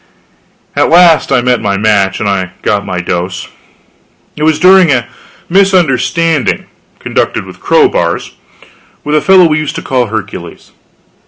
At last I met my match, and I got my dose. It was during a misunderstanding conducted with crowbars with a fellow we used to call Hercules.